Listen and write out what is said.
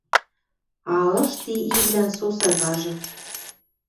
А ыш ти ивлӓн со сагажы.